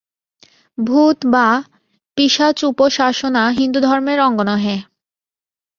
ভূত বা পিশাচোপাসনা হিন্দুধর্মের অঙ্গ নহে।